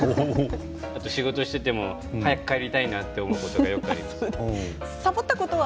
あと仕事をしていても早く帰りたいなと思うことさぼったことは？